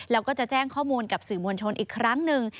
แล้วก็จะแจ้งข้อมูลกับสื่อมวลชนอีกครั้งหนึ่ง